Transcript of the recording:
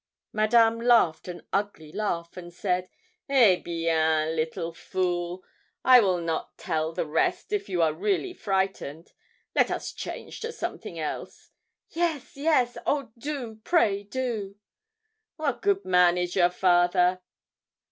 Madame laughed an ugly laugh, and said 'Eh bien! little fool! I will not tell the rest if you are really frightened; let us change to something else.' 'Yes, yes! oh, do pray do.' 'Wat good man is your father!'